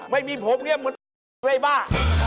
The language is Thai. ไม่มีผมเหมือนไอ้บ้า